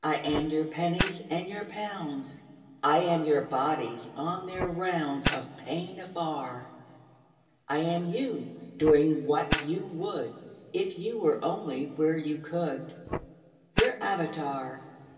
188 AUXILIARIES I am your pennies and your pounds; I am your bodies on their rounds Of pain afar; I am you, doing what you would If you were only where you could ŌĆö Ō¢Ā Your avatar.